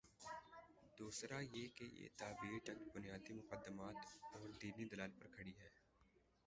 دوسرا یہ کہ یہ تعبیر چند بنیادی مقدمات اوردینی دلائل پر کھڑی ہے۔